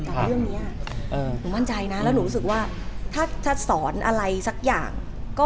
เพื่อนจะเรื่องนี้มาสอนอะไรต่อบ้าง